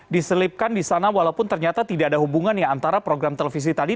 diselipkan di sana walaupun ternyata tidak ada hubungannya antara program televisi tadi